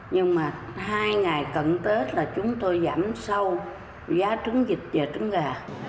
hai ngày cận tết là chúng tôi giảm sâu giá trứng vịt và trứng gà